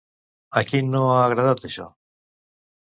A qui no ha agradat, això?